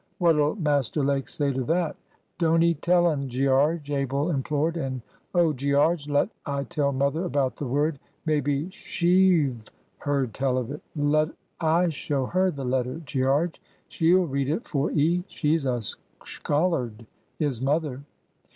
"What'll Master Lake say to that?" "Don't 'ee tell un, Gearge!" Abel implored; "and, O Gearge! let I tell mother about the word. Maybe she've heard tell of it. Let I show her the letter, Gearge. She'll read it for 'ee. She's a scholard, is mother."